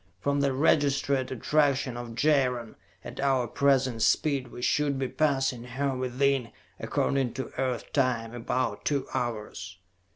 From the registered attraction of Jaron, at our present speed, we should be passing her within, according to Earth time, about two hours.